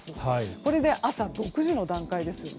これで朝６時の段階です。